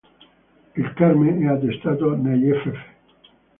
Il carme è attestato nei "ff.